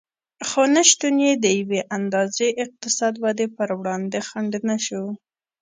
خو نشتون یې د یوې اندازې اقتصادي ودې پر وړاندې خنډ نه شو